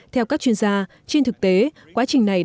theo các chuyên gia trên thực tế quá trình này đã diễn ra